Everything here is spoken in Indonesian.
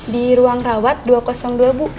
di ruang rawat dua ratus dua bu